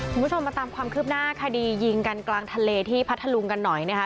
คุณผู้ชมมาตามความคืบหน้าคดียิงกันกลางทะเลที่พัทธลุงกันหน่อยนะคะ